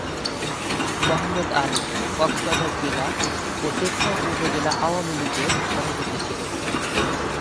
মোহাম্মদ আলী কক্সবাজার জেলা ও টেকনাফ উপজেলা আওয়ামী লীগের সভাপতি ছিলেন।